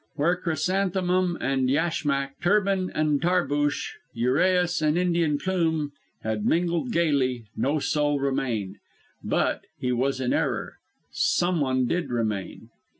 Where chrysanthemum and yashmak turban and tarboosh, uraeus and Indian plume had mingled gaily, no soul remained; but yet he was in error ... someone did remain.